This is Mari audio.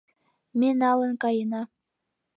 Ме налын каена.